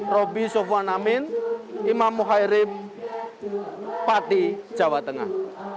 robi sofwan amin imam muhairib pati jawa tengah